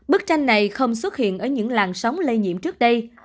bức tranh này không xuất hiện ở những làng sóng lây nhiễm trước đây